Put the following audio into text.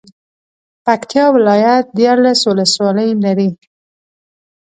پکتيا ولايت ديارلس ولسوالۍ لري.